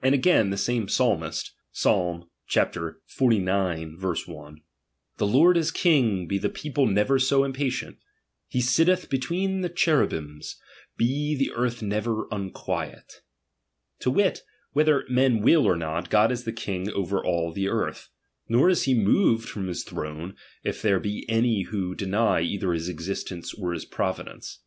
And again the same psalmist, (Psalm xcix. 1 ): The Lord is king, be the people never so impatient ; he sit teth between the cheruhims, be the earth never so vnqviet; to wit, whether men will or not, God is the king over all the earth ; nor is he moved from his throne, if there be any who deny either his existence or his providence.